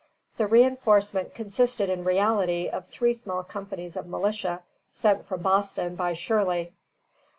The reinforcement consisted in reality of three small companies of militia sent from Boston by Shirley.